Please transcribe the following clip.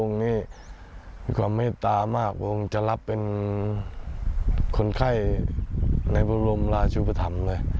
โปรหมนี้มีความเมตตามากผมจะรับเป็นคนไข้ในพระวมราชุพธรรม